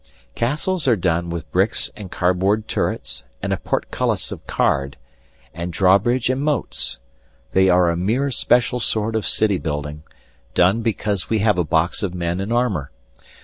Castles are done with bricks and cardboard turrets and a portcullis of card, and drawbridge and moats; they are a mere special sort of city building, done because we have a box of men in armor.